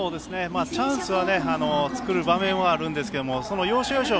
チャンスは作る場面はあるんですけどその要所要所